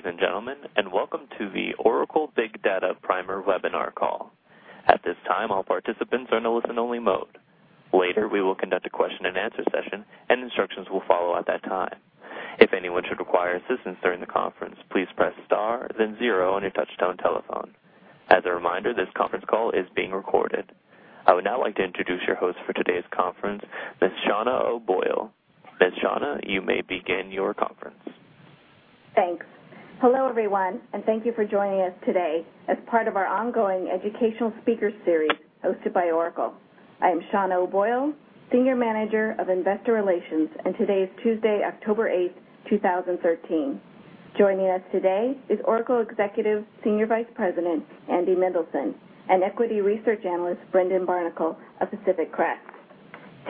Good day, ladies and gentlemen. Welcome to the Oracle Big Data Primer webinar call. At this time, all participants are in a listen-only mode. Later, we will conduct a question and answer session, and instructions will follow at that time. If anyone should require assistance during the conference, please press star then zero on your touchtone telephone. As a reminder, this conference call is being recorded. I would now like to introduce your host for today's conference, Ms. Shauna O'Boyle. Ms. Shauna, you may begin your conference. Thanks. Hello, everyone. Thank you for joining us today as part of our ongoing educational speakers series hosted by Oracle. I am Shauna O'Boyle, Senior Manager of Investor Relations, and today is Tuesday, October eighth, two thousand thirteen. Joining us today is Oracle Executive Senior Vice President, Andrew Mendelsohn, and Equity Research Analyst Brendan Barnicle of Pacific Crest.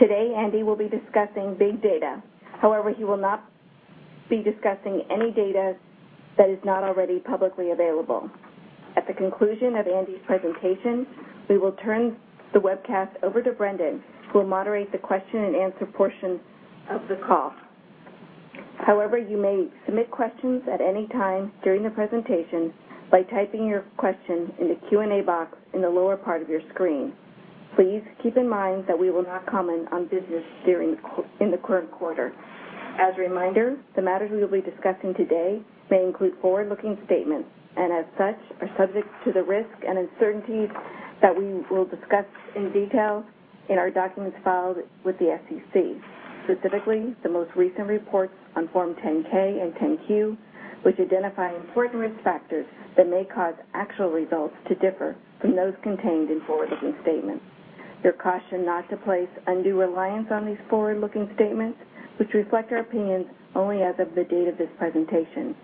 Today, Andy will be discussing big data. He will not be discussing any data that is not already publicly available. At the conclusion of Andy's presentation, we will turn the webcast over to Brendan, who will moderate the question and answer portion of the call. You may submit questions at any time during the presentation by typing your question in the Q&A box in the lower part of your screen. Please keep in mind that we will not comment on business in the current quarter. As a reminder, the matters we will be discussing today may include forward-looking statements, as such, are subject to the risk and uncertainties that we will discuss in detail in our documents filed with the SEC, specifically the most recent reports on Form 10-K and 10-Q, which identify important risk factors that may cause actual results to differ from those contained in forward-looking statements. You're cautioned not to place undue reliance on these forward-looking statements, which reflect our opinions only as of the date of this presentation.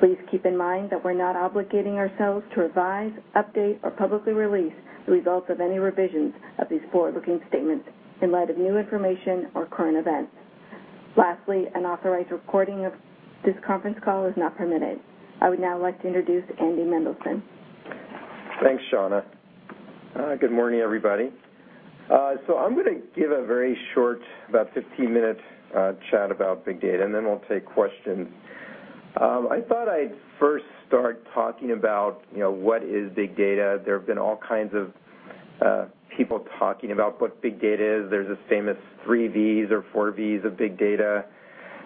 Please keep in mind that we're not obligating ourselves to revise, update, or publicly release the results of any revisions of these forward-looking statements in light of new information or current events. An authorized recording of this conference call is not permitted. I would now like to introduce Andrew Mendelsohn. Thanks, Shauna. Good morning, everybody. I'm going to give a very short, about 15-minute chat about big data. Then we'll take questions. I thought I'd first start talking about what is big data. There have been all kinds of people talking about what big data is. There's a famous three Vs or four Vs of big data,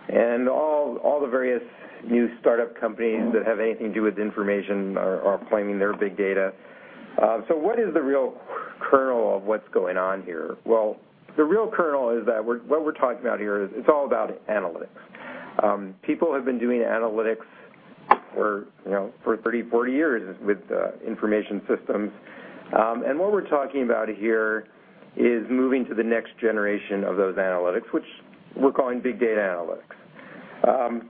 and all the various new startup companies that have anything to do with information are claiming they're big data. What is the real kernel of what's going on here? The real kernel is that what we're talking about here is it's all about analytics. People have been doing analytics for 30, 40 years with information systems. What we're talking about here is moving to the next generation of those analytics, which we're calling big data analytics.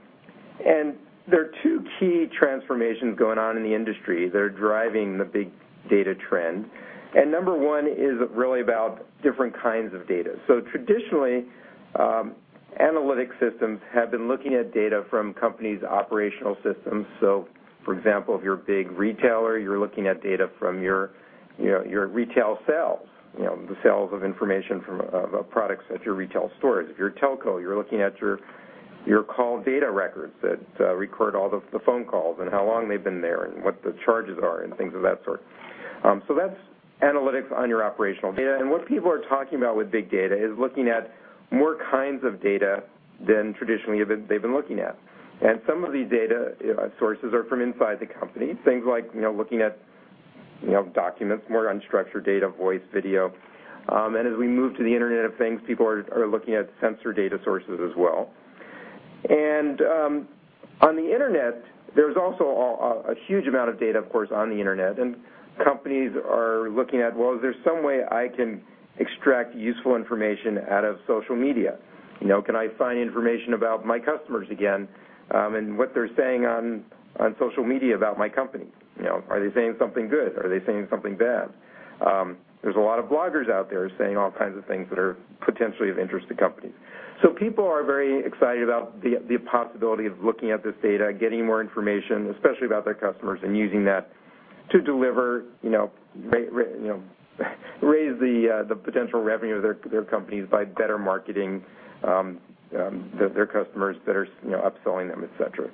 There are two key transformations going on in the industry that are driving the big data trend. Number one is really about different kinds of data. Traditionally, analytic systems have been looking at data from companies' operational systems. For example, if you're a big retailer, you're looking at data from your retail sales, the sales of information from products at your retail stores. If you're a telco, you're looking at your call data records that record all the phone calls and how long they've been there and what the charges are and things of that sort. That's analytics on your operational data. What people are talking about with big data is looking at more kinds of data than traditionally they've been looking at. Some of these data sources are from inside the company, things like looking at documents, more unstructured data, voice, video. As we move to the Internet of Things, people are looking at sensor data sources as well. On the Internet, there's also a huge amount of data, of course, on the Internet, and companies are looking at, well, is there some way I can extract useful information out of social media? Can I find information about my customers again, and what they're saying on social media about my company? Are they saying something good? Are they saying something bad? There's a lot of bloggers out there saying all kinds of things that are potentially of interest to companies. People are very excited about the possibility of looking at this data, getting more information, especially about their customers, and using that to raise the potential revenue of their companies by better marketing their customers, better upselling them, et cetera.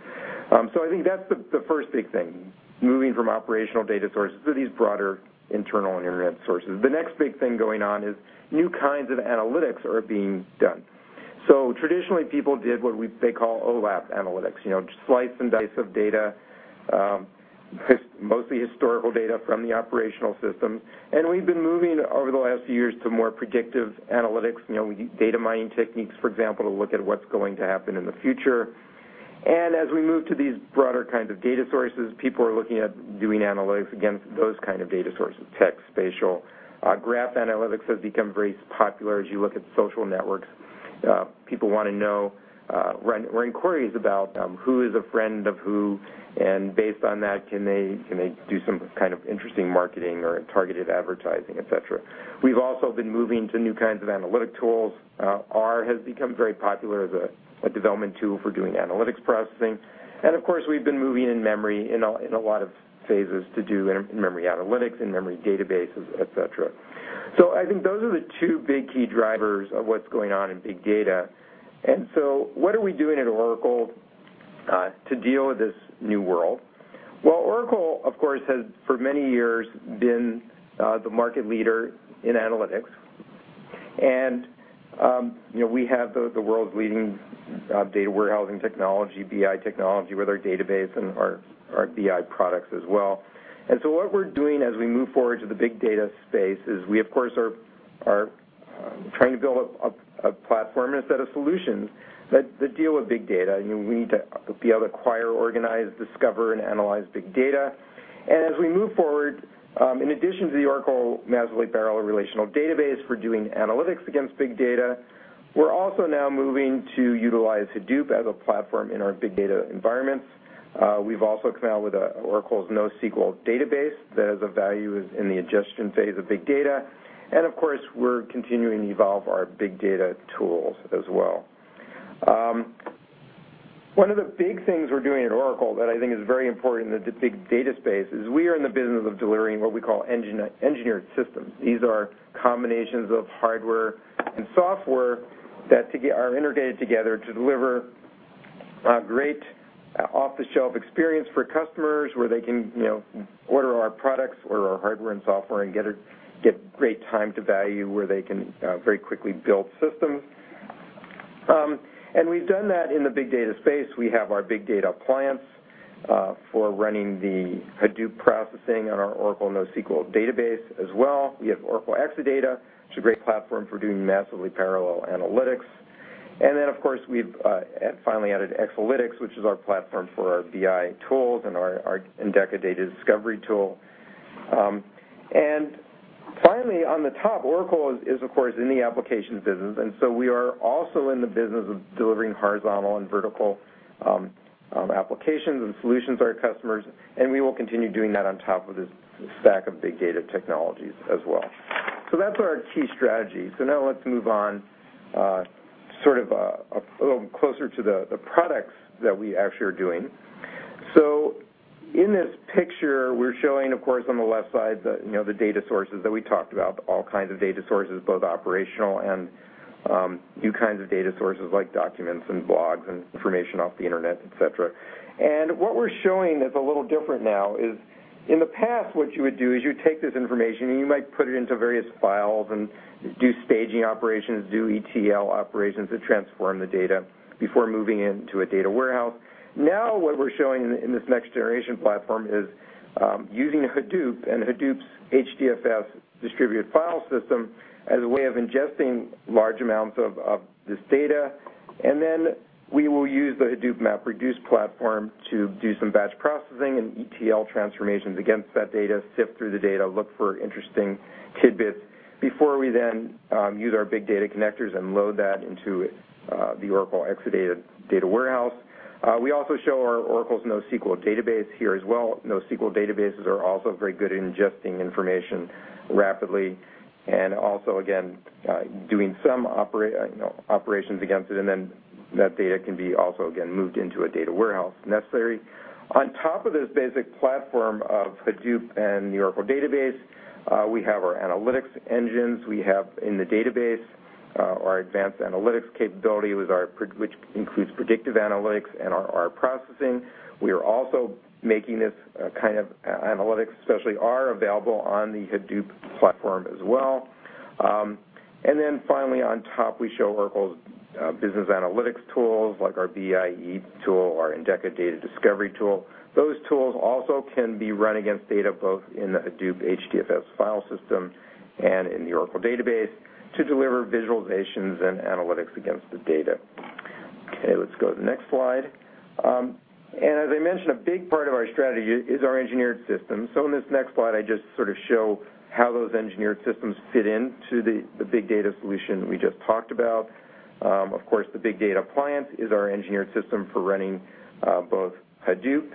I think that's the first big thing, moving from operational data sources to these broader internal and Internet sources. The next big thing going on is new kinds of analytics are being done. Traditionally, people did what they call OLAP analytics, slice and dice of data, mostly historical data from the operational systems. We've been moving over the last few years to more predictive analytics, data mining techniques, for example, to look at what's going to happen in the future. As we move to these broader kinds of data sources, people are looking at doing analytics against those kind of data sources, text, spatial. Graph analytics has become very popular as you look at social networks. People want to know or inquiries about who is a friend of who, and based on that, can they do some kind of interesting marketing or targeted advertising, et cetera. We've also been moving to new kinds of analytic tools. R has become very popular as a development tool for doing analytics processing. Of course, we've been in memory, in a lot of phases to do in-memory analytics, in-memory databases, et cetera. I think those are the two big key drivers of what's going on in big data. What are we doing at Oracle to deal with this new world? Well, Oracle, of course, has for many years been the market leader in analytics. We have the world's leading data warehousing technology, BI technology with our database and our BI products as well. What we're doing as we move forward to the big data space is we, of course, are trying to build up a platform and a set of solutions that deal with big data. We need to be able to acquire, organize, discover, and analyze big data. As we move forward, in addition to the Oracle massively parallel relational database for doing analytics against big data, we're also now moving to utilize Hadoop as a platform in our big data environments. We've also come out with Oracle's NoSQL Database that has a value in the ingestion phase of big data. Of course, we're continuing to evolve our big data tools as well. One of the big things we're doing at Oracle that I think is very important in the big data space is we are in the business of delivering what we call engineered systems. These are combinations of hardware and software that are integrated together to deliver a great off-the-shelf experience for customers where they can order our products or our hardware and software and get great time to value, where they can very quickly build systems. We've done that in the big data space. We have our Big Data Appliance for running the Hadoop processing on our Oracle NoSQL Database as well. We have Oracle Exadata, which is a great platform for doing massively parallel analytics. Then, of course, we've finally added Exalytics, which is our platform for our BI tools and our Endeca data discovery tool. Finally, on the top, Oracle is, of course, in the applications business, we are also in the business of delivering horizontal and vertical applications and solutions to our customers, and we will continue doing that on top of this stack of big data technologies as well. That's our key strategy. Now let's move on sort of a little closer to the products that we actually are doing. In this picture, we're showing, of course, on the left side, the data sources that we talked about, all kinds of data sources, both operational and new kinds of data sources like documents and blogs and information off the Internet, et cetera. What we're showing that's a little different now is, in the past, what you would do is you'd take this information, you might put it into various files and do staging operations, do ETL operations that transform the data before moving it into a data warehouse. Now, what we're showing in this next-generation platform is using Hadoop and Hadoop's HDFS distributed file system as a way of ingesting large amounts of this data. Then we will use the Hadoop MapReduce platform to do some batch processing and ETL transformations against that data, sift through the data, look for interesting tidbits before we then use our big data connectors and load that into the Oracle Exadata data warehouse. We also show Oracle's NoSQL Database here as well. NoSQL databases are also very good at ingesting information rapidly and also, again, doing some operations against it, then that data can be also, again, moved into a data warehouse if necessary. On top of this basic platform of Hadoop and the Oracle Database, we have our analytics engines. We have in the database our advanced analytics capability, which includes predictive analytics and R processing. We are also making this kind of analytics, especially R, available on the Hadoop platform as well. Finally, on top, we show Oracle's business analytics tools like our BI EE tool, our Endeca data discovery tool. Those tools also can be run against data both in the Hadoop HDFS file system and in the Oracle Database to deliver visualizations and analytics against the data. Okay, let's go to the next slide. As I mentioned, a big part of our strategy is our engineered system. In this next slide, I just sort of show how those engineered systems fit into the big data solution we just talked about. Of course, the Oracle Big Data Appliance is our engineered system for running both Hadoop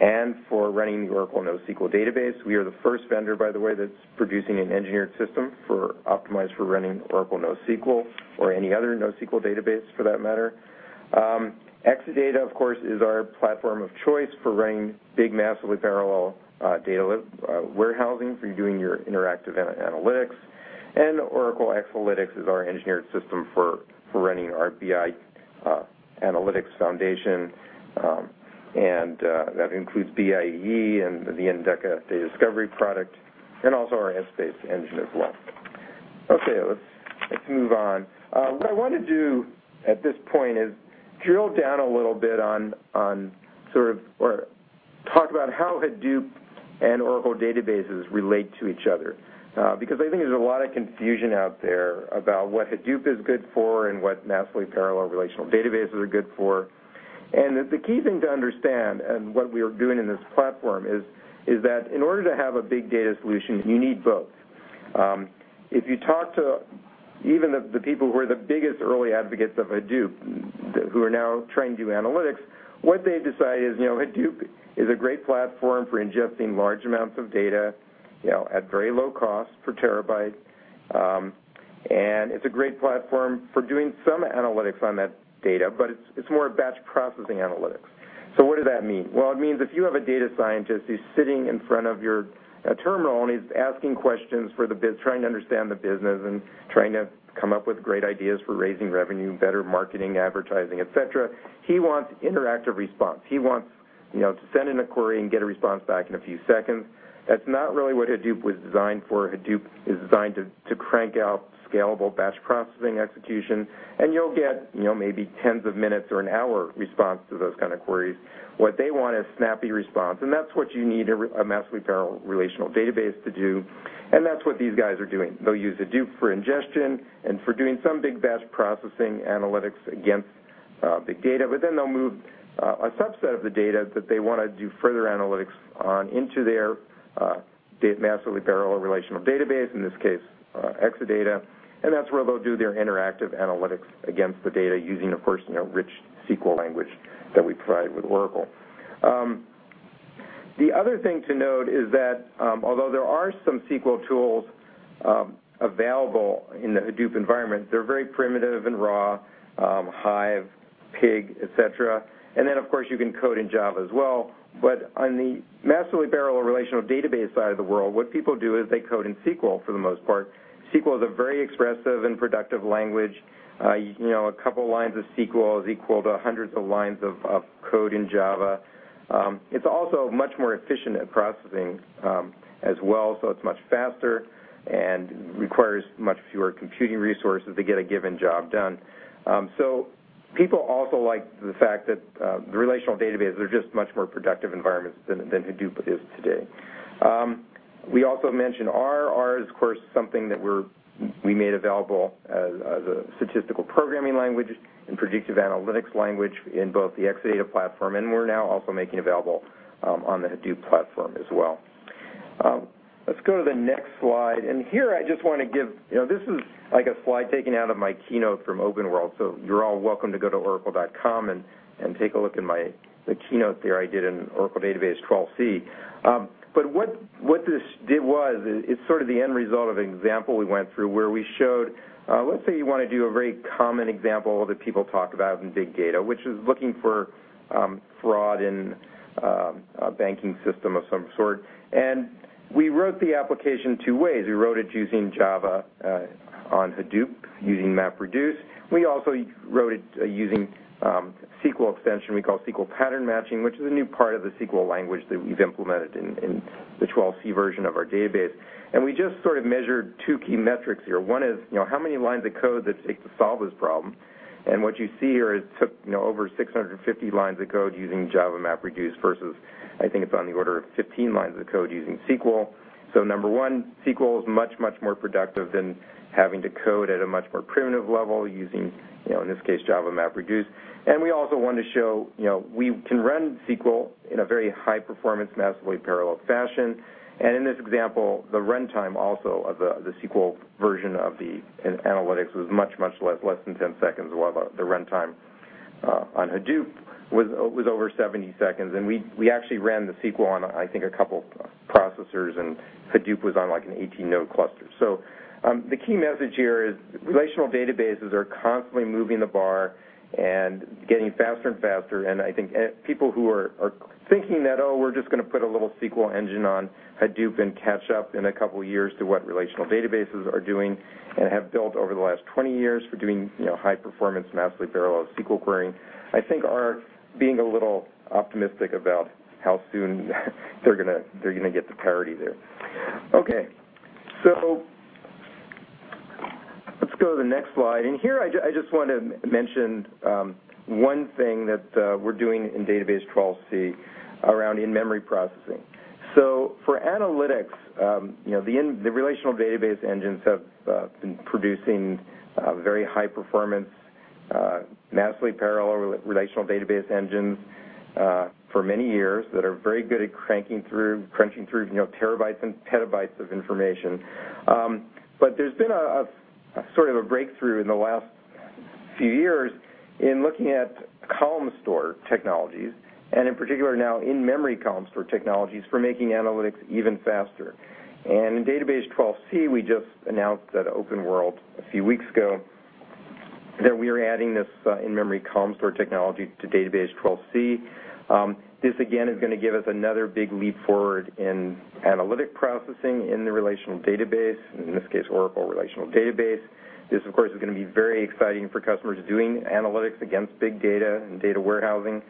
and for running the Oracle NoSQL Database. We are the first vendor, by the way, that's producing an engineered system optimized for running Oracle NoSQL or any other NoSQL database for that matter. Oracle Exadata, of course, is our platform of choice for running big, massively parallel data warehousing, for doing your interactive analytics. Oracle Exalytics is our engineered system for running our BI analytics foundation, and that includes BI EE and the Oracle Endeca Information Discovery product, and also our Oracle Essbase engine as well. Okay, let's move on. What I want to do at this point is drill down a little bit on sort of or talk about how Hadoop and Oracle databases relate to each other. I think there's a lot of confusion out there about what Hadoop is good for and what massively parallel relational databases are good for. The key thing to understand, and what we are doing in this platform, is that in order to have a big data solution, you need both. If you talk to even the people who are the biggest early advocates of Hadoop, who are now trying to do analytics, what they've decided is Hadoop is a great platform for ingesting large amounts of data at very low cost per terabyte. It's a great platform for doing some analytics on that data, but it's more batch processing analytics. What does that mean? Well, it means if you have a data scientist who's sitting in front of your terminal, and he's asking questions, trying to understand the business and trying to come up with great ideas for raising revenue, better marketing, advertising, et cetera, he wants interactive response. He wants to send in a query and get a response back in a few seconds. That's not really what Hadoop was designed for. Hadoop is designed to crank out scalable batch processing execution, and you'll get maybe tens of minutes or an hour response to those kind of queries. What they want is snappy response, and that's what you need a massively parallel relational database to do, and that's what these guys are doing. They'll use Hadoop for ingestion and for doing some big batch processing analytics against big data. They'll move a subset of the data that they want to do further analytics on into their massively parallel relational database, in this case, Exadata. That's where they'll do their interactive analytics against the data using, of course, rich SQL language that we provide with Oracle. The other thing to note is that although there are some SQL tools available in the Hadoop environment, they're very primitive and raw, Hive, Pig, et cetera. Then, of course, you can code in Java as well. On the massively parallel relational database side of the world, what people do is they code in SQL, for the most part. SQL is a very expressive and productive language. A couple lines of SQL is equal to hundreds of lines of code in Java. It's also much more efficient at processing as well, it's much faster and requires much fewer computing resources to get a given job done. People also like the fact that the relational databases are just much more productive environments than Hadoop is today. We also mentioned R. R is, of course, something that we made available as a statistical programming language and predictive analytics language in both the Exadata platform, and we're now also making available on the Hadoop platform as well. Let's go to the next slide. Here, this is a slide taken out of my keynote from Oracle OpenWorld. You're all welcome to go to oracle.com and take a look at the keynote there I did in Oracle Database 12c. What this did was, it's sort of the end result of an example we went through where we showed, let's say you want to do a very common example that people talk about in big data, which is looking for fraud in a banking system of some sort. We wrote the application two ways. We wrote it using Java on Hadoop using MapReduce, we also wrote it using SQL extension we call SQL Pattern Matching, which is a new part of the SQL language that we've implemented in the 12c version of our database. We just measured two key metrics here. One is, how many lines of code does it take to solve this problem? What you see here, it took over 650 lines of code using Java MapReduce versus, I think it's on the order of 15 lines of code using SQL. Number one, SQL is much, much more productive than having to code at a much more primitive level using, in this case, Java MapReduce. We also wanted to show we can run SQL in a very high-performance, massively parallel fashion. In this example, the runtime also of the SQL version of the analytics was much, much less, less than 10 seconds. While the runtime on Hadoop was over 70 seconds. We actually ran the SQL on, I think, a couple processors, and Hadoop was on an 18-node cluster. The key message here is relational databases are constantly moving the bar and getting faster and faster. I think people who are thinking that, oh, we're just going to put a little SQL engine on Hadoop and catch up in a couple of years to what relational databases are doing and have built over the last 20 years for doing high-performance, massively parallel SQL querying, I think are being a little optimistic about how soon they're going to get to parity there. Okay. Let's go to the next slide. Here, I just want to mention one thing that we're doing in Database 12c around in-memory processing. For analytics, the relational database engines have been producing very high-performance, massively parallel relational database engines for many years that are very good at cranking through, crunching through terabytes and petabytes of information. There's been a sort of a breakthrough in the last few years in looking at column store technologies and, in particular, now in-memory column store technologies for making analytics even faster. In Database 12c, we just announced at Oracle OpenWorld a few weeks ago that we are adding this in-memory column store technology to Database 12c. This, again, is going to give us another big leap forward in analytic processing in the relational database, in this case, Oracle Relational Database. This, of course, is going to be very exciting for customers doing analytics against big data and data warehousing.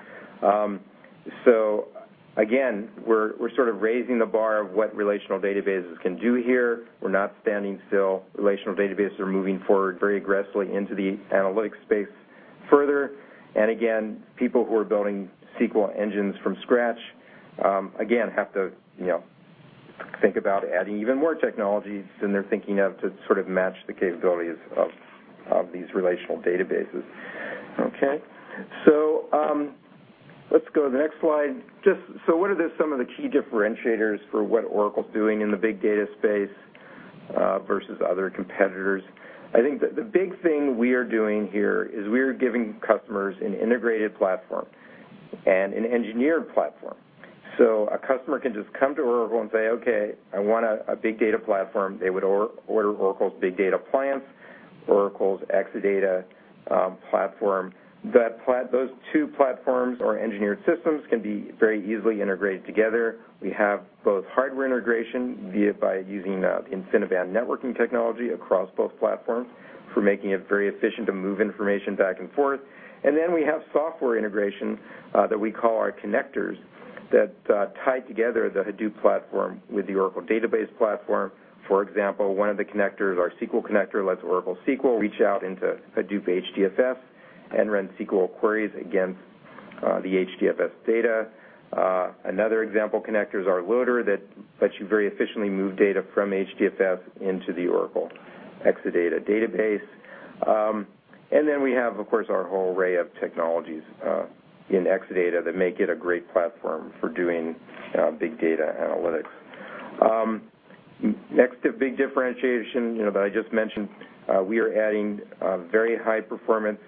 Again, we're sort of raising the bar of what relational databases can do here. We're not standing still. Relational databases are moving forward very aggressively into the analytics space further. Again, people who are building SQL engines from scratch, again, have to think about adding even more technologies than they're thinking of to sort of match the capabilities of these relational databases. Okay. Let's go to the next slide. What are some of the key differentiators for what Oracle's doing in the big data space versus other competitors? I think the big thing we are doing here is we are giving customers an integrated platform and an engineered platform. A customer can just come to Oracle and say, "Okay, I want a big data platform." They would order Oracle Big Data Appliance, Oracle Exadata platform. Those two platforms or engineered systems can be very easily integrated together. We have both hardware integration, be it by using InfiniBand networking technology across both platforms for making it very efficient to move information back and forth. We have software integration that we call our connectors that tie together the Hadoop platform with the Oracle Database platform. For example, one of the connectors, our SQL connector, lets Oracle SQL reach out into Hadoop HDFS and run SQL queries against the HDFS data. Another example connector is our loader that lets you very efficiently move data from HDFS into the Oracle Exadata database. We have, of course, our whole array of technologies in Exadata that make it a great platform for doing big data analytics. Next big differentiation that I just mentioned, we are adding very high performance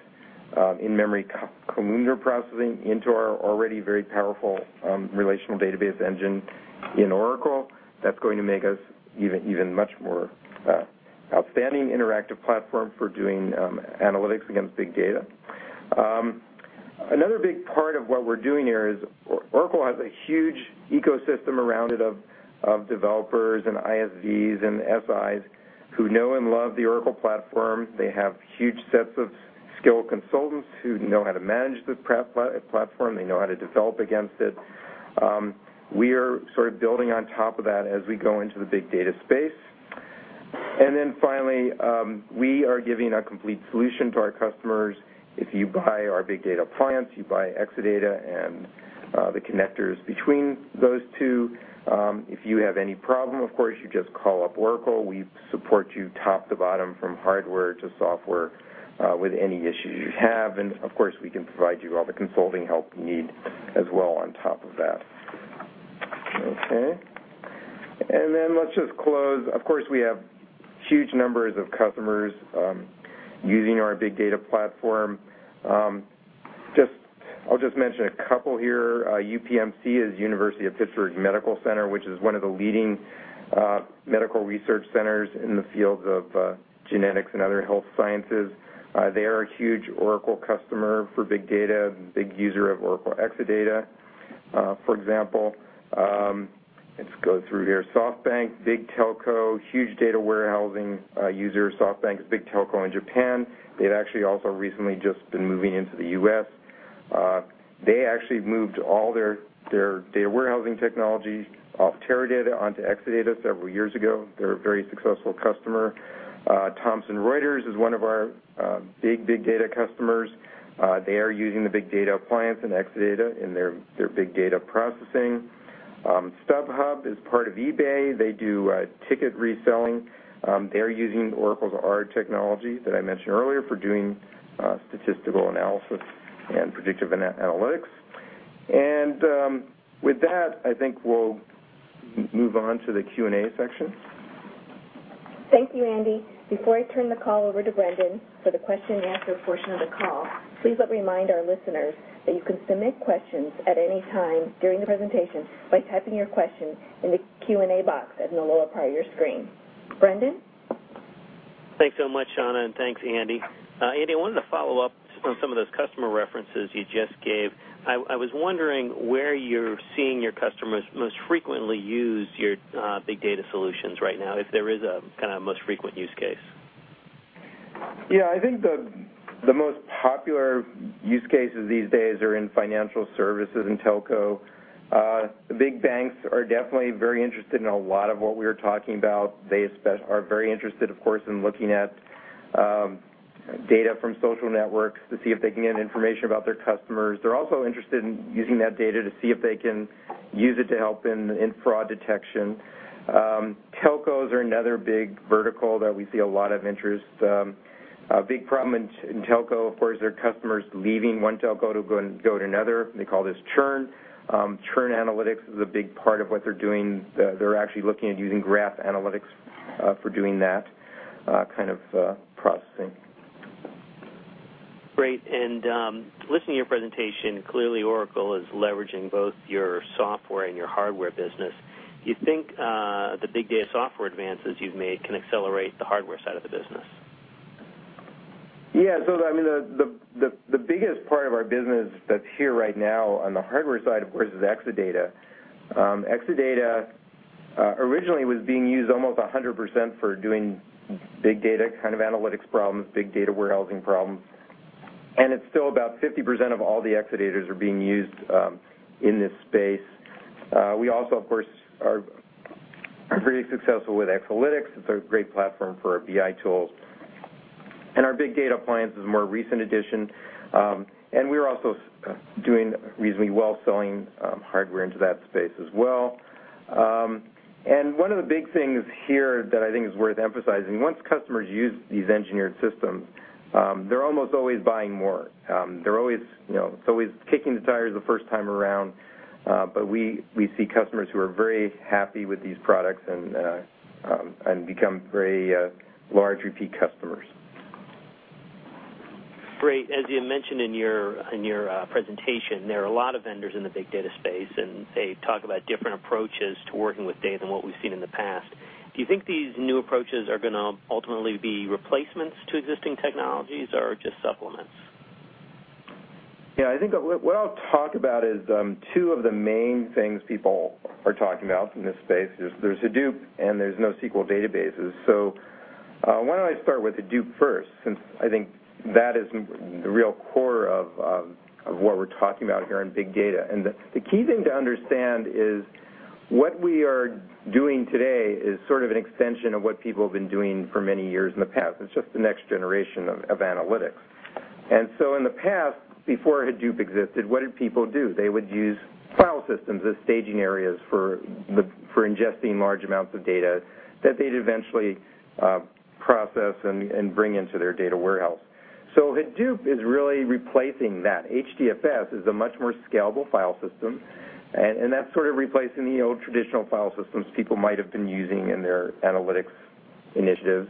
in-memory columnar processing into our already very powerful relational database engine in Oracle. That's going to make us even much more outstanding interactive platform for doing analytics against big data. Another big part of what we're doing here is Oracle has a huge ecosystem around it of developers and ISVs and SIs who know and love the Oracle platform. They have huge sets of skilled consultants who know how to manage the platform. They know how to develop against it. We are sort of building on top of that as we go into the big data space. Finally, we are giving a complete solution to our customers. If you buy our Oracle Big Data Appliance, you buy Oracle Exadata and the connectors between those two. If you have any problem, of course, you just call up Oracle. We support you top to bottom from hardware to software with any issue you have. Of course, we can provide you all the consulting help you need as well on top of that. Okay. Let's just close. Of course, we have huge numbers of customers using our big data platform. I'll just mention a couple here. UPMC is University of Pittsburgh Medical Center, which is one of the leading medical research centers in the fields of genetics and other health sciences. They are a huge Oracle customer for big data and big user of Oracle Exadata. For example, let's go through here. SoftBank, big telco, huge data warehousing user. SoftBank is a big telco in Japan. They've actually also recently just been moving into the U.S. They actually moved all their warehousing technology off Teradata onto Oracle Exadata several years ago. They're a very successful customer. Thomson Reuters is one of our big data customers. They are using the Oracle Big Data Appliance and Oracle Exadata in their big data processing. StubHub is part of eBay. They do ticket reselling. They're using Oracle's R technology that I mentioned earlier for doing statistical analysis and predictive analytics. With that, I think we'll move on to the Q&A section. Thank you, Andy. Before I turn the call over to Brendan for the question and answer portion of the call, please let me remind our listeners that you can submit questions at any time during the presentation by typing your question in the Q&A box at the lower part of your screen. Brendan? Thanks so much, Shauna, and thanks, Andy. Andy, I wanted to follow up on some of those customer references you just gave. I was wondering where you're seeing your customers most frequently use your big data solutions right now, if there is a most frequent use case. I think the most popular use cases these days are in financial services and telco. The big banks are definitely very interested in a lot of what we're talking about. They are very interested, of course, in looking at data from social networks to see if they can get information about their customers. They're also interested in using that data to see if they can use it to help in fraud detection. Telcos are another big vertical that we see a lot of interest. A big problem in telco, of course, are customers leaving one telco to go to another. They call this churn. Churn analytics is a big part of what they're doing. They're actually looking at using graph analytics for doing that kind of processing. Great. Listening to your presentation, clearly Oracle is leveraging both your software and your hardware business. Do you think the big data software advances you've made can accelerate the hardware side of the business? The biggest part of our business that's here right now on the hardware side, of course, is Exadata. Exadata originally was being used almost 100% for doing big data analytics problems, big data warehousing problems, and it's still about 50% of all the Exadatas are being used in this space. We also, of course, are pretty successful with Exalytics. It's a great platform for BI tools. Our Big Data Appliance is a more recent addition. We're also doing reasonably well selling hardware into that space as well. One of the big things here that I think is worth emphasizing, once customers use these engineered systems, they're almost always buying more. It's always kicking the tires the first time around, but we see customers who are very happy with these products and become very large repeat customers. Great. As you mentioned in your presentation, there are a lot of vendors in the big data space. They talk about different approaches to working with data than what we've seen in the past. Do you think these new approaches are going to ultimately be replacements to existing technologies or just supplements? Yeah, I think what I'll talk about is two of the main things people are talking about in this space. There's Hadoop and there's NoSQL databases. Why don't I start with Hadoop first, since I think that is the real core of what we're talking about here in big data. The key thing to understand is what we are doing today is sort of an extension of what people have been doing for many years in the past. It's just the next generation of analytics. In the past, before Hadoop existed, what did people do? They would use file systems as staging areas for ingesting large amounts of data that they'd eventually process and bring into their data warehouse. Hadoop is really replacing that. HDFS is a much more scalable file system. That's sort of replacing the old traditional file systems people might have been using in their analytics initiatives.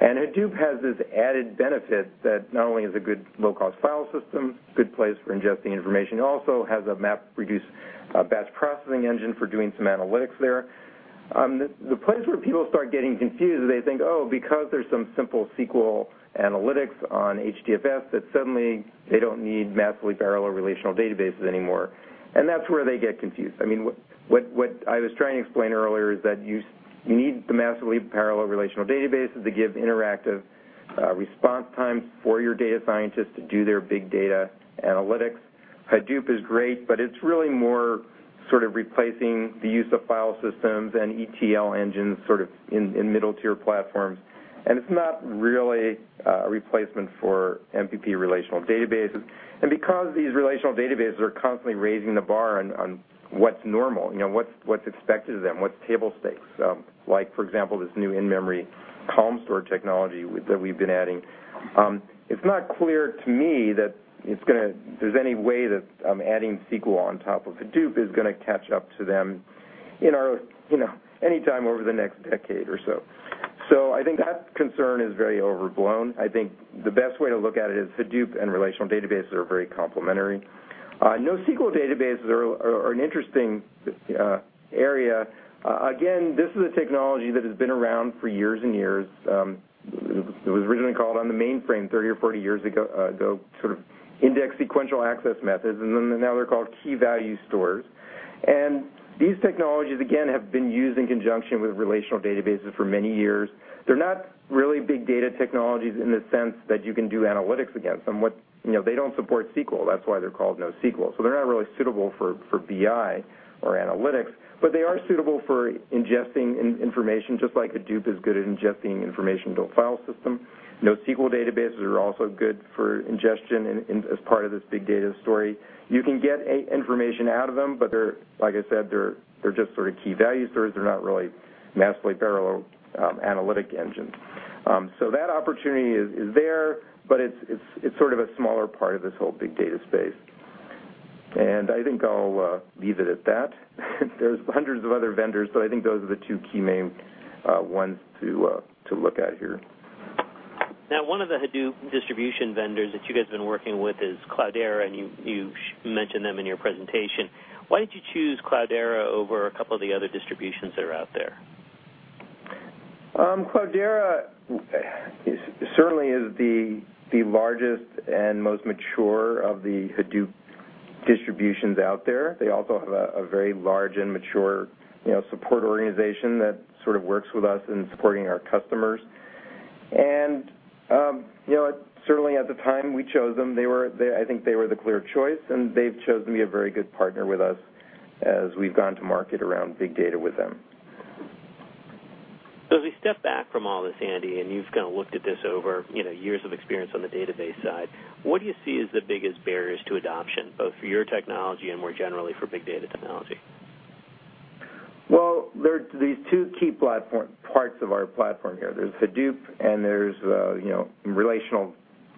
Hadoop has this added benefit that not only is a good low-cost file system, good place for ingesting information, it also has a MapReduce batch processing engine for doing some analytics there. The place where people start getting confused is they think, oh, because there's some simple SQL analytics on HDFS, that suddenly they don't need massively parallel relational databases anymore. That's where they get confused. What I was trying to explain earlier is that you need the massively parallel relational databases to give interactive response times for your data scientists to do their big data analytics. Hadoop is great, but it's really more replacing the use of file systems and ETL engines in middle-tier platforms, and it's not really a replacement for MPP relational databases. Because these relational databases are constantly raising the bar on what's normal, what's expected of them, what's table stakes, like for example, this new in-memory column store technology that we've been adding. It's not clear to me that there's any way that adding SQL on top of Hadoop is going to catch up to them anytime over the next decade or so. I think that concern is very overblown. I think the best way to look at it is Hadoop and relational databases are very complementary. NoSQL databases are an interesting area. Again, this is a technology that has been around for years and years. It was originally called on the mainframe 30 or 40 years ago, index sequential access methods, now they're called key-value stores. These technologies, again, have been used in conjunction with relational databases for many years. They're not really big data technologies in the sense that you can do analytics against them. They don't support SQL, that's why they're called NoSQL. They're not really suitable for BI or analytics, but they are suitable for ingesting information, just like Hadoop is good at ingesting information into a file system. NoSQL databases are also good for ingestion as part of this big data story. You can get information out of them, they're, like I said, they're just key-value stores. They're not really massively parallel analytic engines. That opportunity is there, but it's sort of a smaller part of this whole big data space. I think I'll leave it at that. There's hundreds of other vendors, I think those are the two key main ones to look at here. One of the Hadoop distribution vendors that you guys have been working with is Cloudera, and you mentioned them in your presentation. Why did you choose Cloudera over a couple of the other distributions that are out there? Cloudera certainly is the largest and most mature of the Hadoop distributions out there. They also have a very large and mature support organization that works with us in supporting our customers. Certainly, at the time we chose them, I think they were the clear choice, and they've chosen to be a very good partner with us as we've gone to market around big data with them. As we step back from all this, Andy Mendelsohn, and you've looked at this over years of experience on the database side, what do you see as the biggest barriers to adoption, both for your technology and more generally for big data technology? Well, there's these two key parts of our platform here. There's Hadoop and there's relational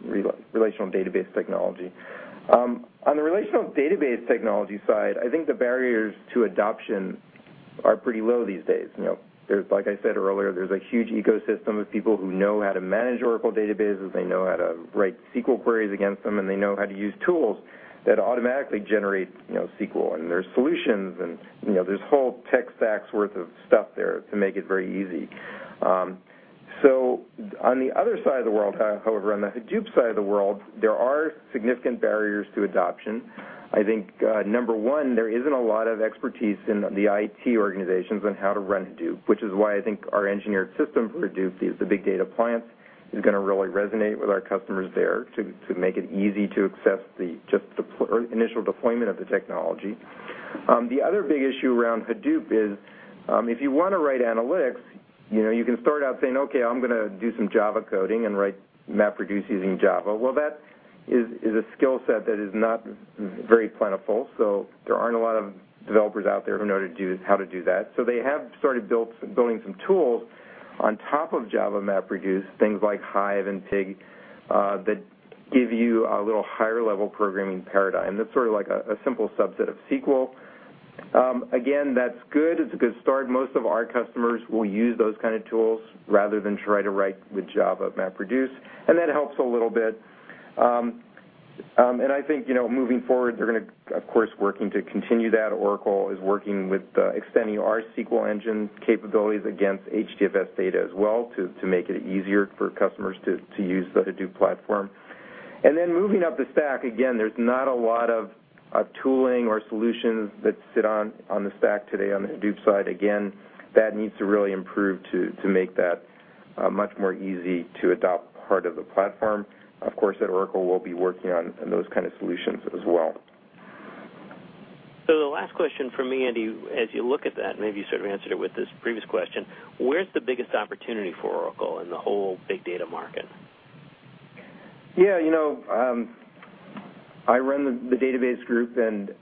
database technology. On the relational database technology side, I think the barriers to adoption are pretty low these days. Like I said earlier, there's a huge ecosystem of people who know how to manage Oracle databases, they know how to write SQL queries against them, and they know how to use tools that automatically generate SQL, and there's solutions, and there's whole tech stacks worth of stuff there to make it very easy. On the other side of the world, however, on the Hadoop side of the world, there are significant barriers to adoption. I think, number one, there isn't a lot of expertise in the IT organizations on how to run Hadoop, which is why I think our engineered system for Hadoop, the Big Data Appliance, is going to really resonate with our customers there to make it easy to accept the initial deployment of the technology. The other big issue around Hadoop is, if you want to write analytics, you can start out saying, "Okay, I'm going to do some Java coding and write MapReduce using Java." Well, that is a skill set that is not very plentiful, there aren't a lot of developers out there who know how to do that. They have started building some tools on top of Java MapReduce, things like Hive and Pig, that give you a little higher-level programming paradigm. That's sort of like a simple subset of SQL. Again, that's good. It's a good start. Most of our customers will use those kind of tools rather than try to write with Java MapReduce, that helps a little bit. I think, moving forward, they're going to, of course, working to continue that. Oracle is working with extending our SQL engine capabilities against HDFS data as well to make it easier for customers to use the Hadoop platform. Then moving up the stack, again, there's not a lot of tooling or solutions that sit on the stack today on the Hadoop side. Again, that needs to really improve to make that much more easy to adopt part of the platform. Of course, at Oracle, we'll be working on those kind of solutions as well. The last question from me, Andy, as you look at that, maybe you sort of answered it with this previous question, where's the biggest opportunity for Oracle in the whole big data market? Yeah. I run the database group,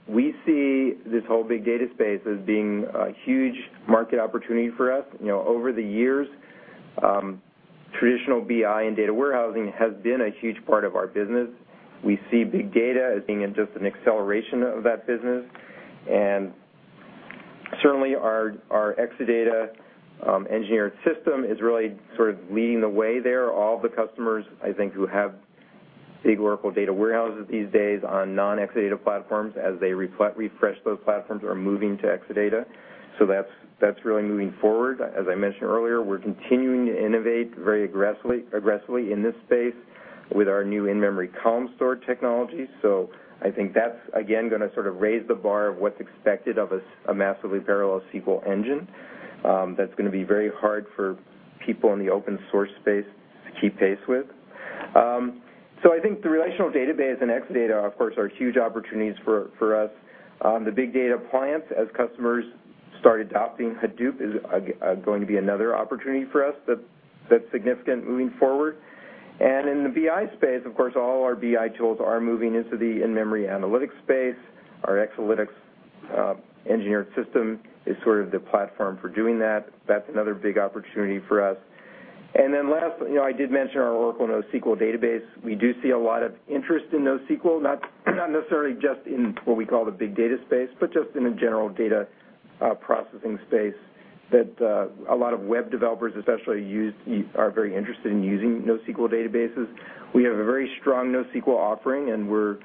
we see this whole big data space as being a huge market opportunity for us. Over the years, traditional BI and data warehousing has been a huge part of our business. We see big data as being just an acceleration of that business. Certainly, our Exadata engineered system is really sort of leading the way there. All the customers, I think, who have big Oracle data warehouses these days on non-Exadata platforms, as they refresh those platforms, are moving to Exadata. That's really moving forward. As I mentioned earlier, we're continuing to innovate very aggressively in this space with our new in-memory column store technology. I think that's, again, going to sort of raise the bar of what's expected of a massively parallel SQL engine. That's going to be very hard for people in the open source space to keep pace with. I think the relational database and Exadata, of course, are huge opportunities for us. The Big Data Appliance, as customers start adopting Hadoop, is going to be another opportunity for us that's significant moving forward. In the BI space, of course, all our BI tools are moving into the in-memory analytics space. Our Exalytics engineered system is sort of the platform for doing that. That's another big opportunity for us. Then last, I did mention our Oracle NoSQL Database. We do see a lot of interest in NoSQL, not necessarily just in what we call the big data space, but just in a general data processing space that a lot of web developers especially are very interested in using NoSQL databases. We have a very strong NoSQL offering, we're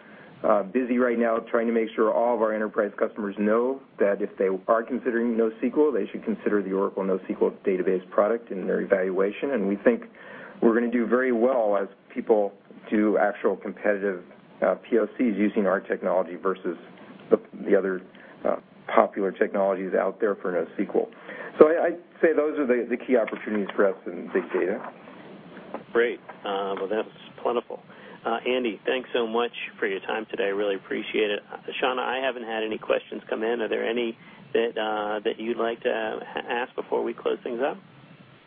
busy right now trying to make sure all of our enterprise customers know that if they are considering NoSQL, they should consider the Oracle NoSQL Database product in their evaluation. We think we're going to do very well as people do actual competitive POCs using our technology versus the other popular technologies out there for NoSQL. I'd say those are the key opportunities for us in big data. Great. Well, that's plentiful. Andy, thanks so much for your time today. Really appreciate it. Shauna, I haven't had any questions come in. Are there any that you'd like to ask before we close things up?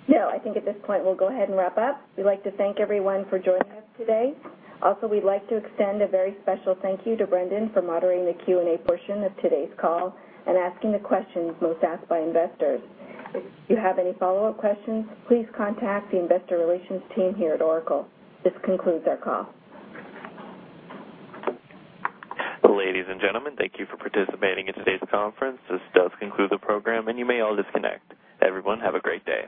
No, I think at this point, we'll go ahead and wrap up. We'd like to thank everyone for joining us today. We'd like to extend a very special thank you to Brendan for moderating the Q&A portion of today's call and asking the questions most asked by investors. If you have any follow-up questions, please contact the investor relations team here at Oracle. This concludes our call. Ladies and gentlemen, thank you for participating in today's conference. This does conclude the program, and you may all disconnect. Everyone, have a great day.